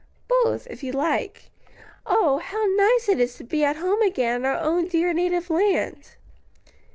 "Both, if you like. Oh, how nice it is to be at home again in our own dear native land."